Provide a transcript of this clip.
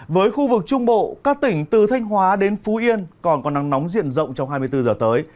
với khu vực trung bộ các tỉnh từ thanh hóa đến phú yên còn có nắng nóng diện rộng trong hai mươi bốn giờ tới